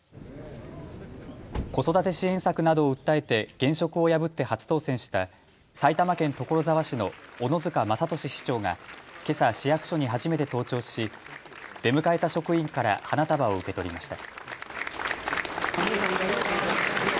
子育て支援策などを訴えて現職を破って初当選した埼玉県所沢市の小野塚勝俊市長がけさ市役所に初めて登庁し出迎えた職員から花束を受け取りました。